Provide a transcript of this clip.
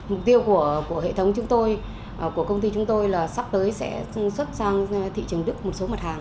mục tiêu của hệ thống chúng tôi của công ty chúng tôi là sắp tới sẽ xuất sang thị trường đức một số mặt hàng